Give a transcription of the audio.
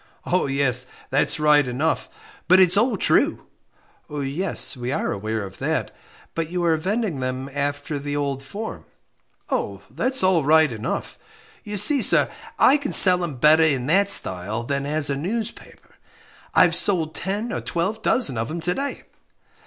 "Oh, yes, that's right enough but it's all true." "Yes; we are aware of that; but you are vending them after the old form." "That's all right enough you see, sir, I can sell 'em better in that style than as a newspaper: I've sold ten or twelve dozen of 'em to day."